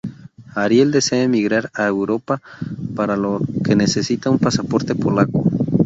Ariel desea emigrar a Europa, para lo que necesita un pasaporte polaco.